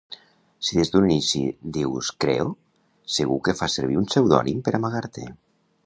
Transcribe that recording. Si des d'un inici dius "creo", segur que fas servir un pseudònim per amagar-te.